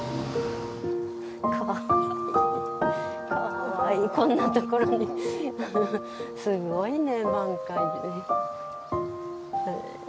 かわいいこんな所にすごいね満開でへえ！